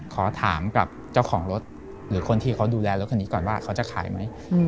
ขอถามกับเจ้าของรถหรือคนที่เขาดูแลรถคันนี้ก่อนว่าเขาจะขายไหม